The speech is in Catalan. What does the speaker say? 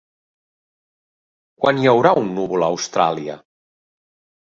Quan hi haurà un núvol a Austràlia?